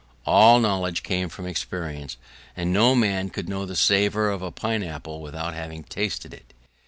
All knowledge came from experience, and no man could know the savour of a pineapple without having tasted it.